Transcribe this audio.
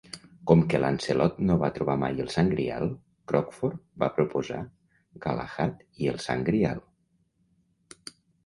Com que Lancelot no va trobar mai el Sant Grial, Crockford va proposar "Galahad i el Sant Grial".